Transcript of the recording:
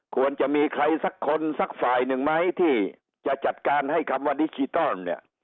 ควรจะมีใครสักคนสักฝ่ายหนึ่งไหมที่จะจัดการให้คำว่าดิจิตอลเนี่ย